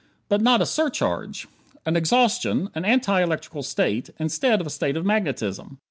But not a surcharge. An exhaustion. An anti electrical state, instead of a state of magnetism.